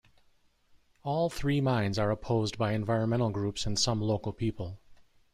All three mines are opposed by environmental groups and some local people.